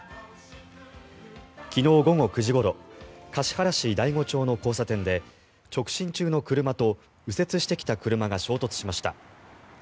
昨日午後９時ごろ橿原市醍醐町の交差点で直進中の車と右折してきた車が衝突しました。